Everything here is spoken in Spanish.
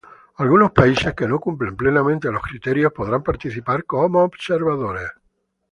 Algunos países, que no cumplen plenamente los criterios, podrán participar como observadores.